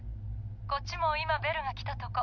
こっちも今ベルが来たとこ。